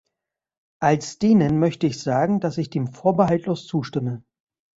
Als Dänin möchte ich sagen, dass ich dem vorbehaltlos zustimme.